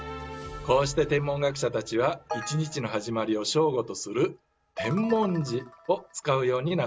こうして天文学者たちは１日の始まりを正午とする「天文時」を使うようになったのです。